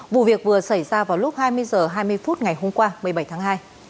vụ việc vừa xảy ra vào lúc hai mươi h hai mươi phút ngày hôm qua một mươi bảy tháng hai